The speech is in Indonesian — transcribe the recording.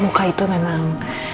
muka itu memang